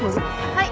はい。